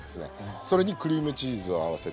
それにクリームチーズを合わせてええ。